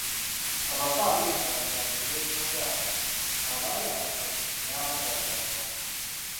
Abafu abebibamba be beetuga, abaali abatemu n'abatazaala.